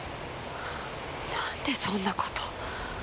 なんでそんなこと。